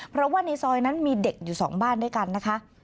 เพราะว่าในซอยนั้นมีเด็กอยู่๒บ้านด้วยกันนะคะ